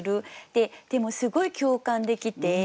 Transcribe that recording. でもすごい共感できて。